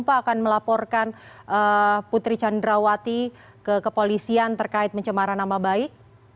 apakah akan melaporkan putri candrawati ke kepolisian terkait pencemaran nama baik